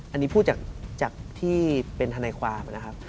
อันนี้พูดจากที่เป็นทนายความนะครับ